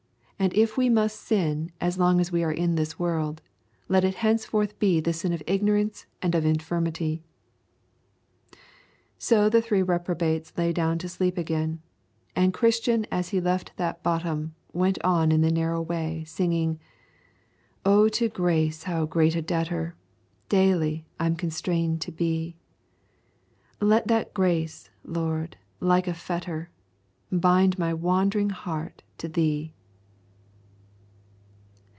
And if we must sin as long as we are in this world, let it henceforth be the sin of ignorance and of infirmity. So the three reprobates lay down to sleep again, and Christian as he left that bottom went on in the narrow way singing: 'O to grace how great a debtor Daily I'm constrained to be Let that grace, Lord, like a fetter, Bind my wandering heart to Thee.'